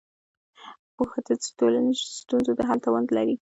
پوهه د ټولنیزو ستونزو د حل توان لري.